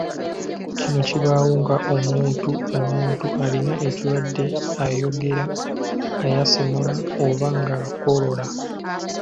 Kino kibaawo ng’omuntu omuntu alina ekirwadde ayogera, ayasimula oba ng’akolola.